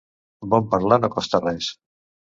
Bon parlar no costa res.